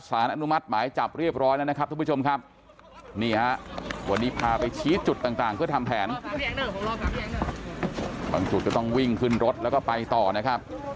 สารอนุมัติหมายจับเรียบร้อยแล้วนะครับทุกผู้ชมครับ